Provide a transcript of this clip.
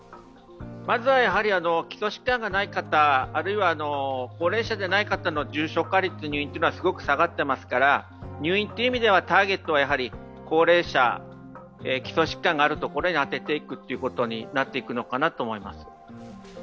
まずは基礎疾患がない方、あるいは高齢者でない方の重症化率、入院というのはすごく下がっていますから入院という意味ではターゲットは高齢者、基礎疾患のあるところに当てていくということになるのかなと思います。